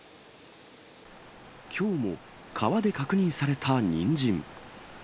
きょうも川で確認されたニンジン。